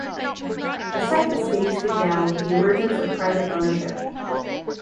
The second stage began with the emergence of private ownership.